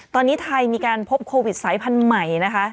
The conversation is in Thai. ตอนนี้ไทยมีการพบโควิดสายพันธุ์ใหม่นะคะ